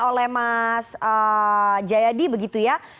oleh mas jayadi begitu ya